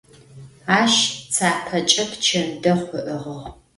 Aş tsapeç'e pçendexhu ı'ığığ.